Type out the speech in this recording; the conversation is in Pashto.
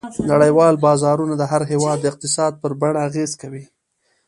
نړیوال بازارونه د هر هېواد د اقتصاد پر بڼه اغېزه کوي.